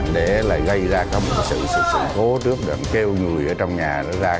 để lại gây ra một sự sự sửa khổ trước đợt kêu người ở trong nhà đó